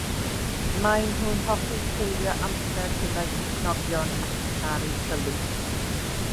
Maen nhw'n hoffi treulio amser gyda'u perchnogion ac yn caru sylw.